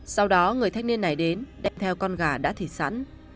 sau đó người thanh niên này đến đem theo con gà đã thịt sẵn